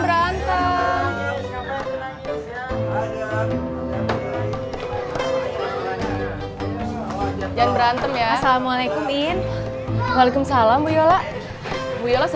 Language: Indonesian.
mendingan aku ke kang kusoy